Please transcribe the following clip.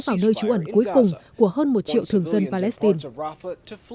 vào nơi trú ẩn cuối cùng của hơn một triệu thường dân palestine